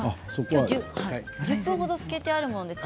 １０分ほど漬けてあるものですね。